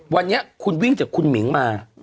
วันนี้คุณวิ่งจากคุณหมิงมา